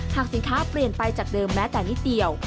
หากสินค้าเปลี่ยนไปจากเดิมแม้แต่นิดเดียว